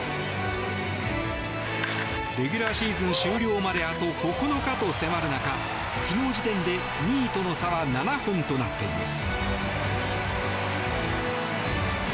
レギュラーシーズン終了まであと９日と迫る中昨日時点で２位との差は７本となっています。